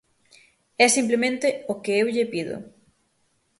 É simplemente o que eu lle pido.